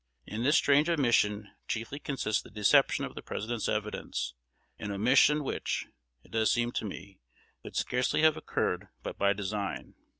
In this strange omission chiefly consists the deception of the President's evidence, an omission which, it does seem to me, could scarcely have occurred but by design.